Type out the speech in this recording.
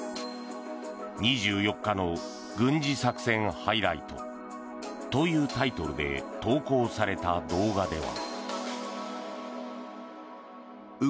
「２４日の軍事作戦ハイライト」というタイトルで投稿された動画では。